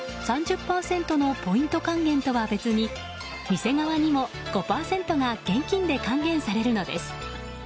３０％のポイント還元とは別に店側にも５％が現金で還元されるのです。